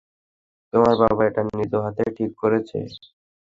তোমার বাবা এটা নিজ হাতে ঠিক করেছে।